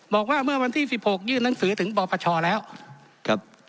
บอกว่าเมื่อวันที่สิบหกยื่นหนังสือถึงปปชแล้วครับ